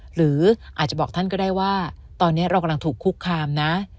หรืออาจจะบอกท่านก็ได้ว่าตอนนี้เรากำลังถูกคุกคามนะ